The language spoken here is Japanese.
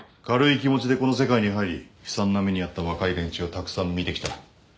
軽い気持ちでこの世界に入り悲惨な目に遭った若い連中をたくさん見てきた。